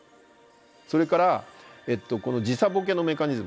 それからこの時差ボケのメカニズムですね。